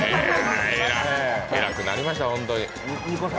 偉くなりました、ホントに。